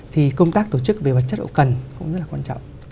thì công tác tổ chức về vật chất hậu cần cũng rất là quan trọng